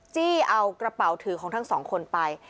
จี้เอากระเป๋าถือของทั้งสองคนไป